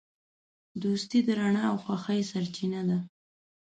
دوستي د رڼا او خوښۍ سرچینه ده.